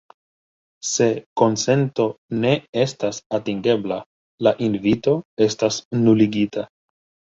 Se konsento ne estas atingebla, la invito estas nuligita.